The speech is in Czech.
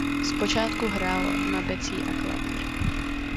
Zpočátku hrál na bicí a klavír.